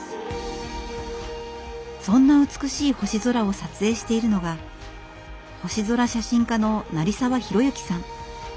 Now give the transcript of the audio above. そんな美しい星空を撮影しているのが星空写真家の成澤広幸さん。